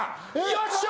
よっしゃ！